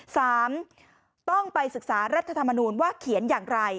สามต้องไปศึกษารัฐธรรมนูญว่าเขียนอย่างไร